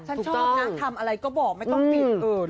สั่งชอบนะทำอะไรก็บอกไม่ต้องปิด